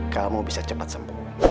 kamu bisa cepat sembuh